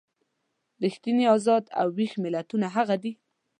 ریښتیني ازاد او ویښ ملتونه هغه دي.